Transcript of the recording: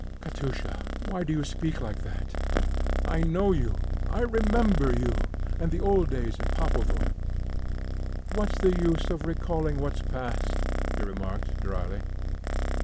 "Katusha, why do you speak like that? I know you; I remember you and the old days in Papovo." "What's the use of recalling what's past?" she remarked, drily.